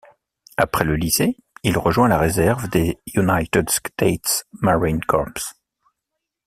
Après le lycée, il rejoint la réserve des United States Marine Corps.